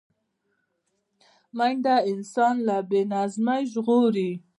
منډه انسان له بې نظمۍ ژغوري